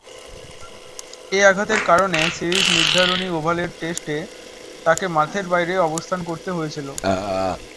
এ আঘাতের কারণে সিরিজ নির্ধারণী ওভালের টেস্টে তাকে মাঠের বাইরে অবস্থান করতে হয়েছিল।